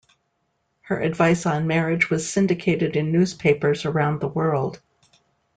Her advice on marriage was syndicated in newspapers around the world.